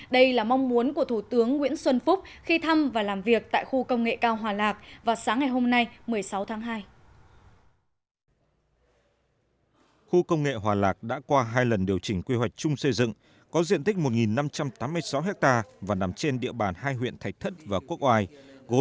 đây là mong muốn của thủ tướng nguyễn xuân phúc khi thăm và làm việc tại khu công nghệ cao hòa lạc vào sáng ngày hôm nay một mươi sáu tháng hai